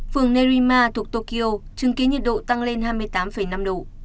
phường narima thuộc tokyo chứng kiến nhiệt độ tăng lên hai mươi tám năm độ